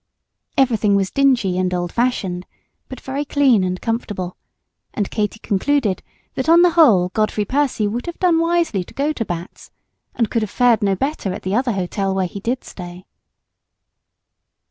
Everything was dingy and old fashioned, but very clean and comfortable; and Katy concluded that on the whole Godfrey Percy would have done wisely to go to Batt's, and could have fared no better at the other hotel where he did stay.